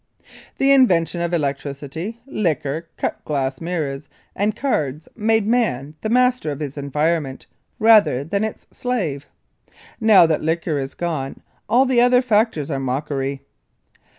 The invention of electricity, liquor, cut glass mirrors, and cards made man the master of his environment rather than its slave. Now that liquor is gone all the other factors are mockery.